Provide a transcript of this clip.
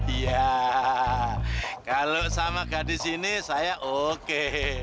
iya kalau sama gadis ini saya oke